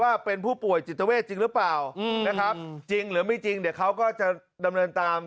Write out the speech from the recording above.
ว่าเป็นผู้ป่วยจิตเวทจริงหรือเปล่านะครับจริงหรือไม่จริงเดี๋ยวเขาก็จะดำเนินตาม